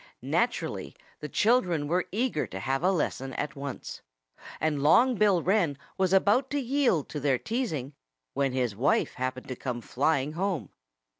Naturally the children were eager to have a lesson at once. And Long Bill Wren was about to yield to their teasing, when his wife happened to come flying home.